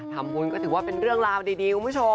ธำมุนก็ถือว่าเป็นเรื่องราวเล็กของผู้ชม